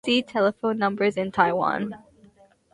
See Telephone numbers in Taiwan.